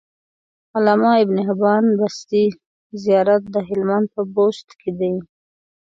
د علامه ابن حبان بستي زيارت د هلمند په بست کی